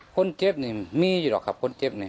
คนเจ็บนี่มีอยู่หรอกครับคนเจ็บเนี่ย